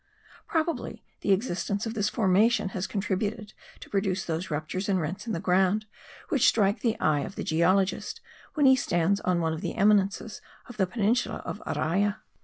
Probably the existence of this formation has contributed to produce those ruptures and rents in the ground which strike the eye of the geologist when he stands on one of the eminences of the peninsula of Araya.